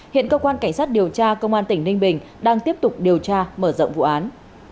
hiện cơ quan cảnh sát điều tra công an tỉnh ninh bình đang tiếp tục điều tra mở rộng vụ án